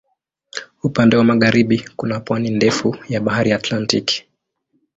Upande wa magharibi kuna pwani ndefu ya Bahari Atlantiki.